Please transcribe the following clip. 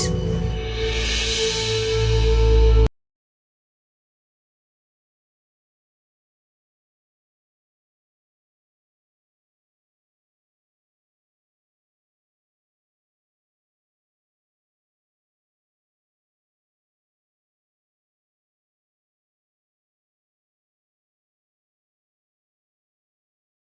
hati aku sakit mas